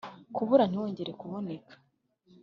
Kubura ntiwongere kuboneka.